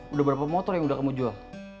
udah berapa motor yang udah kamu jual